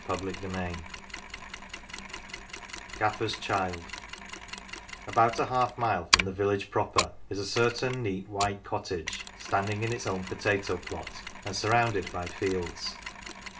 20 GAFFER'S CHILD GAFFER'S CHILD ABOUT half a mile from the village proper is a certain neat white cottage standing in its own potato plot, and surrounded by fields.